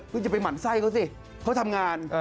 คือต้องมั่นใส่เขาสิเขาทำงาน